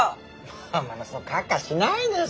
まあまあそうカッカしないでさあ。